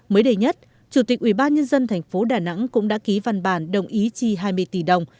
mới đây nhất chủ tịch ubnd tp đà nẵng cũng đã ký văn bản đồng ý chi hai mươi tỷ đồng